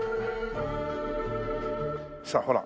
さあほら